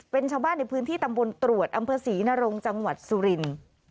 เป็นชาวบ้านในพื้นที่ตำบลตรวจอำเภอศรีนรงจังหวัดสุรินทร์